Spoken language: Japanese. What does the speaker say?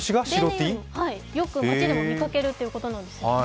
よく街でも見かけるということなんですよね。